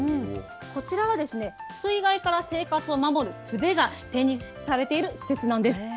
こちらは水害から生活を守るすべが展示されている施設なんです。